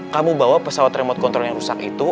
kamu bawa pesawat remote control yang rusak itu